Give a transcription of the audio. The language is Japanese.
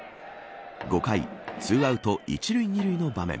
５回２アウト１塁２塁の場面。